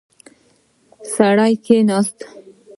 سړی کښیناست.